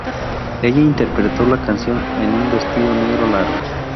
Ella interpretó la canción en un vestido negro largo.